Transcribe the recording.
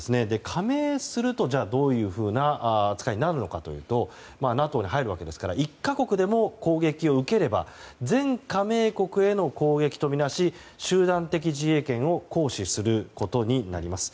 加盟すると、どういうふうな扱いになるのかというとＮＡＴＯに入るわけですから１か国でも攻撃を受ければ全加盟国への攻撃とみなし集団的自衛権を行使することになります。